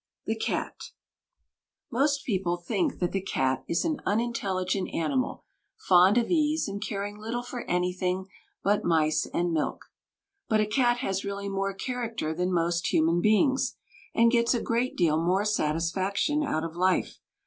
THE CAT Most people think that the cat is an unintelligent animal, fond of ease, and caring little for anything but mice and milk. But a cat has really more character than most human beings, and gets a great deal more satisfaction out of life.